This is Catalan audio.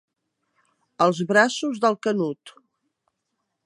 Als braços del Canut.